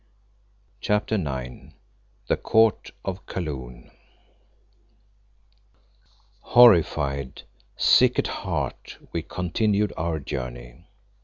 CHAPTER IX THE COURT OF KALOON Horrified, sick at heart, we continued our journey.